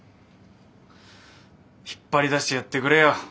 引っ張り出してやってくれよ